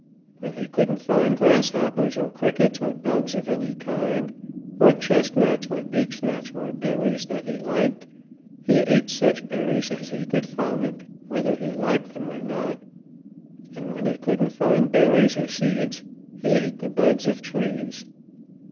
When he couldn't find grasshoppers or crickets or bugs of any kind, or chestnuts or beechnuts or berries that he liked, he ate such berries as he could find, whether he liked them or not; and when he couldn't find berries or seeds, he ate the buds of trees.